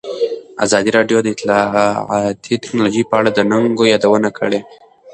ازادي راډیو د اطلاعاتی تکنالوژي په اړه د ننګونو یادونه کړې.